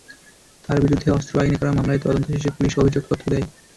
তাঁর বিরুদ্ধে অস্ত্র আইনে করা মামলায় তদন্ত শেষে পুলিশ অভিযোগপত্র দেয়।